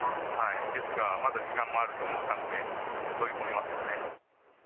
ですが、まだ時間もあると思ったので、飛び込みますよね。